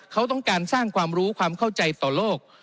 เขาต้องการสร้างความรู้ความเข้าใจต่อโลก